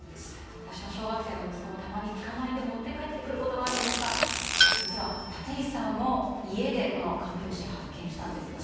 私の小学生の息子もたまに捕まえて持って帰ってくることがあるんですが実は、立石さんも家でカメムシを発見したんですよね。